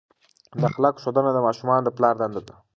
د اخلاقو ښودنه د ماشومانو د پلار دنده ده.